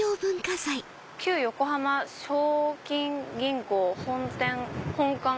「旧横浜正金銀行本店本館」。